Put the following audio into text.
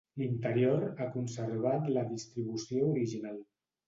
L'interior ha conservat la distribució original.